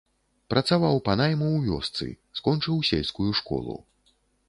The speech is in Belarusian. Працаваў па найму ў вёсцы, скончыў сельскую школу.